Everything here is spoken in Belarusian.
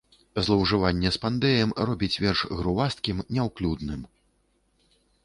Злоўжыванне спандэем робіць верш грувасткім, няўклюдным.